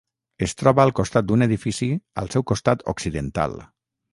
Es troba al costat d'un edifici al seu costat occidental.